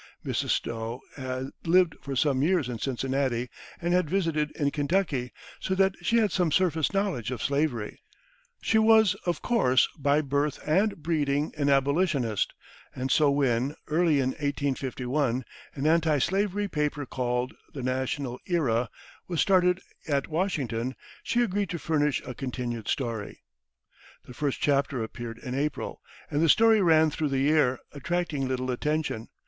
Mrs. Stowe had lived for some years in Cincinnati and had visited in Kentucky, so that she had some surface knowledge of slavery; she was, of course, by birth and breeding, an abolitionist, and so when, early in 1851, an anti slavery paper called the "National Era" was started at Washington, she agreed to furnish a "continued story." The first chapter appeared in April, and the story ran through the year, attracting little attention.